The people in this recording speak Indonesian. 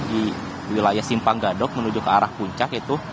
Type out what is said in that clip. di wilayah simpang gadok menuju ke arah puncak itu